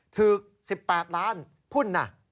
ถือก๑๘ล้านพุ่นน่ะ